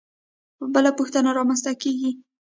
بله پوښتنه رامنځته کېږي.